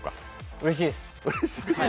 うれしいです。